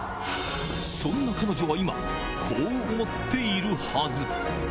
そんな彼女は今、こう思っているはず。